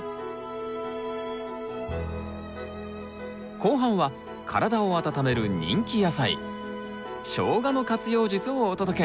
後半は体を温める人気野菜ショウガの活用術をお届け！